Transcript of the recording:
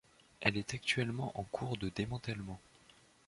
Elle est actuellement en cours de démantèlement.